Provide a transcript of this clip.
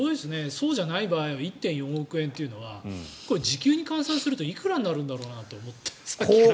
そうじゃない場合は１．４億円というのは時給に換算するといくらになるんだろうなと思ってさっきから。